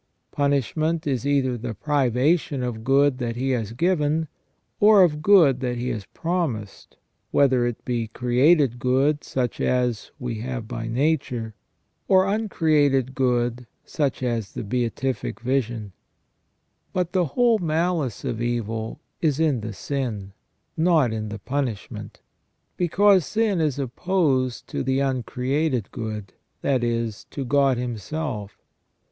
Punishment is either the privation of good that He has given, or of good that He has promised, whether it be created good, such as we have by nature, or uncreated good, such as the beatific ON PENAL EVIL OR PUNISHMENT. 241 vision. But the whole malice of evil is in the sin, not in the punishment ; because sin is opposed to the uncreated good, that is, to God Himself.